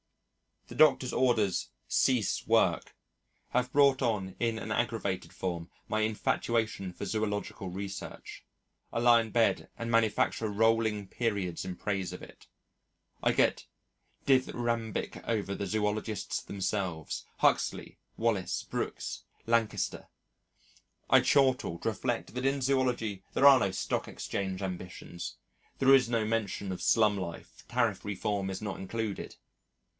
The Doctor's orders "Cease Work" have brought on in an aggravated form my infatuation for zoological research. I lie in bed and manufacture rolling periods in praise of it, I get dithyrambic over the zoologists themselves Huxley, Wallace, Brooks, Lankester. I chortle to reflect that in zoology there are no stock exchange ambitions, there is no mention of slum life, Tariff Reform is not included.